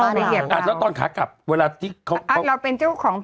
ไปเหยียบอ่าแล้วตอนขากลับเวลาที่เขาอ่ะเราเป็นเจ้าของ